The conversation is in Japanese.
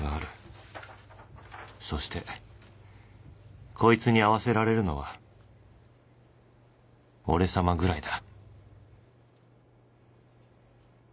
そしてこいつに合わせられるのは俺さまぐらいだ